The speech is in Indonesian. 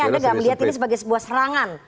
jadi ini anda gak melihat ini sebagai sebuah serangan